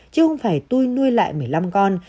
chứ không phải tôi nuôi lại một mươi năm con